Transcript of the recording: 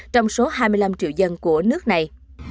trong số hai mươi năm triệu dân của nước này